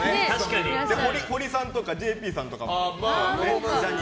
ほりさんとかＪＰさんとかも。